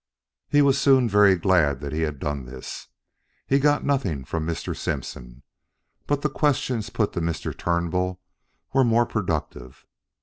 He was soon very glad that he had done this. He got nothing from Mr. Simpson; but the questions put to Mr. Turnbull were more productive.